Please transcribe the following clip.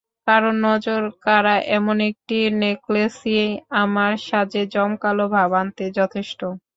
কারণ, নজরকাড়া এমন একটি নেকলেসই আপনার সাজে জমকালো ভাব আনতে যথেষ্ট।